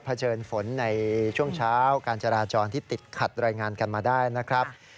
เฉินฝนในช่วงเช้าการจราจรที่ติดขัดรายงานกันมาได้นะครับ